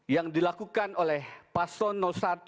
yang dilakukan oleh paslon satu